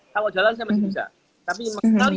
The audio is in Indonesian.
kalau jalan saya masih bisa tapi sekali